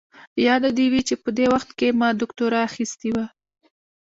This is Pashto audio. ياده دې وي چې په دې وخت کې ما دوکتورا اخيستې وه.